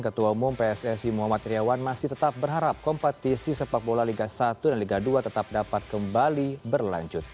ketua umum pssi muhammad iryawan masih tetap berharap kompetisi sepak bola liga satu dan liga dua tetap dapat kembali berlanjut